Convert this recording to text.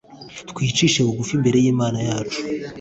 Twicishe bugufi imbere y Imana yacu.